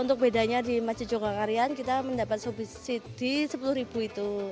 untuk bedanya di masjid jogakarian kita mendapat subsidi di sepuluh itu